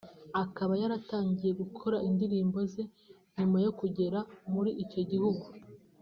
akaba yaratangiye gukora indirimbo ze nyuma yo kugera muri icyo gihugu